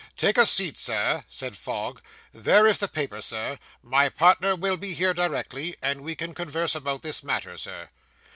'Take a seat, sir,' said Fogg; 'there is the paper, sir; my partner will be here directly, and we can converse about this matter, sir.